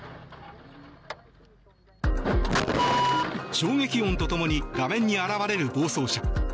衝撃音と共に画面に現れる暴走車。